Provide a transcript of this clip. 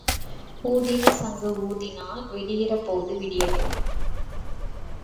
ஊதின சங்கு ஊதினால் விடிகிற போது விடியட்டும்.